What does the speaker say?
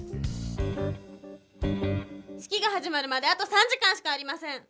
式が始まるまであと３時間しかありません。